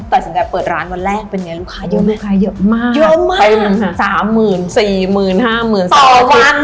แต่สำหรับเปิดร้านวันแรกเป็นไงลูกค้าเยอะไหมคะเยอะมากเยอะมากเป็นสามหมื่นสี่หมื่นห้าหมื่นสองวัน